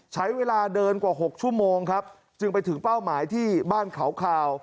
ใช้เวลาเดินกว่า๖ชั่วโมงครับจึงไปถึงเป้าหมายที่บ้านเขาคาว